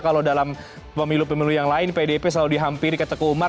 kalau dalam pemilu pemilu yang lain pdip selalu dihampiri ke teku umar